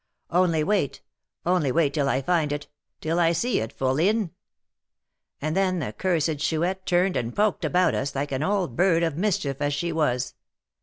'Only wait, only wait till I find it, till I see it, fourline.' And then the cursed Chouette turned and poked about us, like an old bird of mischief as she was.